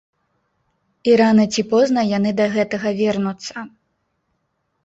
І рана ці позна яны да гэтага вернуцца.